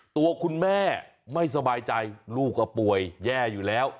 ตัวคุณแม่ไม่สบายใจลูกก็ป่วยแย่อยู่แล้ว